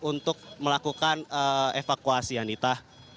untuk melakukan evakuasi ya nita